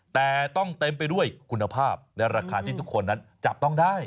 แต่ต้องเต็มไปด้วยคุณภาพในราคาที่ทุกคนนั้นจับต้องได้